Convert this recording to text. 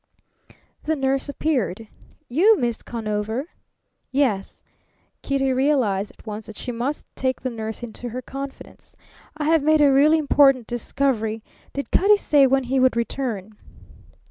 The nurse appeared. "You, Miss Conover?" "Yes." Kitty realized at once that she must take the nurse into her confidence. "I have made a really important discovery. Did Cutty say when he would return?"